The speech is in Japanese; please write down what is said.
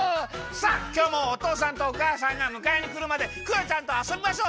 さっきょうもおとうさんとおかあさんがむかえにくるまでクヨちゃんとあそびましょ！